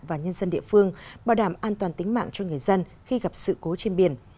và nhân dân địa phương bảo đảm an toàn tính mạng cho người dân khi gặp sự cố trên biển